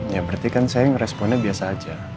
ya berarti kan sayang responnya biasa aja